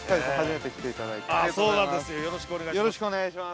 よろしくお願いします。